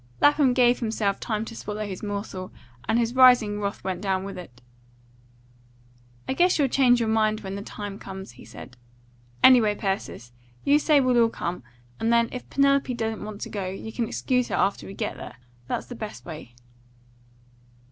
Lapham gave himself time to swallow his morsel, and his rising wrath went down with it. "I guess you'll change your mind when the time comes," he said. "Anyway, Persis, you say we'll all come, and then, if Penelope don't want to go, you can excuse her after we get there. That's the best way."